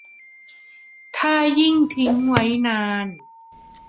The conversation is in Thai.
ถ้ายิ่งทิ้งไว้นาน